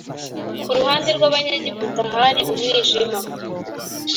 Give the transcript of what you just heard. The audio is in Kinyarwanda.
Ku ruhande rw Abanyegiputa hari umwijima